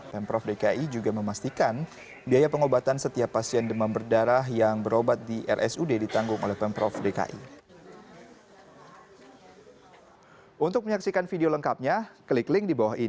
pemprov dki juga memastikan biaya pengobatan setiap pasien demam berdarah yang berobat di rsud ditanggung oleh pemprov dki